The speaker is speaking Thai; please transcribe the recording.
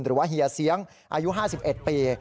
หรือว่าเฮียเสียงอายุ๕๑ปี